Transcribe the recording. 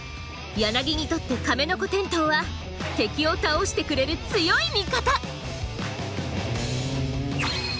ヤナギにとってカメノコテントウは敵を倒してくれる強い味方！